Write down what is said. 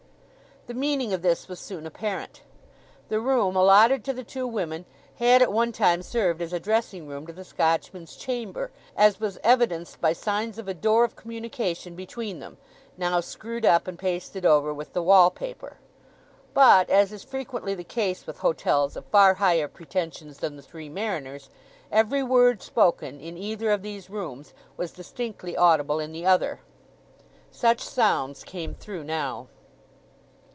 The meaning of this was soon apparent. The room allotted to the two women had at one time served as a dressing room to the Scotchman's chamber, as was evidenced by signs of a door of communication between them—now screwed up and pasted over with the wall paper. But, as is frequently the case with hotels of far higher pretensions than the Three Mariners, every word spoken in either of these rooms was distinctly audible in the other. Such sounds came through now.